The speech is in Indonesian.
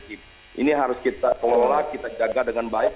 ini harus kita kelola kita jaga dengan baik